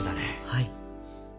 はい。